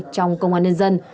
trong công an nhân dân